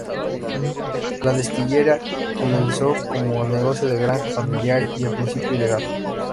La destilería comenzó como negocio de granja familiar y en principio ilegal.